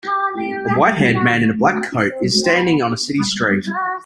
A whitehaired man in a black coat is standing on a city street.